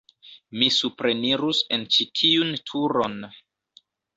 Mi suprenirus en ĉi tiun turon.